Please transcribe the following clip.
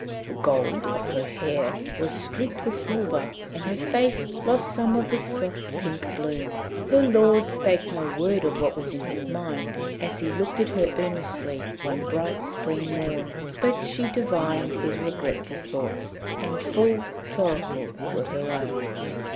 The gold of her hair was streaked with silver, and her face lost some of its soft pink bloom. Her lord spake no word of what was in his mind as he looked at her earnestly one bright spring morn, but she divined his regretful thoughts, and full sorrowful were her own.